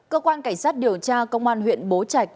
cơ quan cảnh sát điều tra công an huyện bố trạch